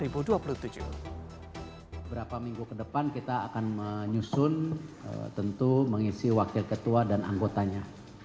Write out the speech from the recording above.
beberapa minggu ke depan kita akan menyusun tentu mengisi wakil ketua dan anggotanya